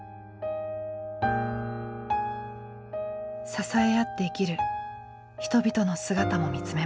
支え合って生きる人々の姿も見つめます。